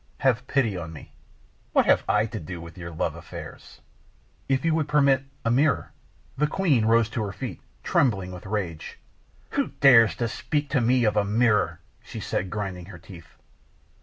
"Have pity on me." "What have I to do with your love affairs?" "If you would permit a mirror " The queen rose to her feet, trembling with rage. "Who dares to speak to me of a mirror?" she said, grinding her teeth.